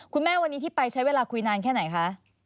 คุณแม่วันนี้ที่ไปใช้เวลาคุยนานแค่ไหนคะ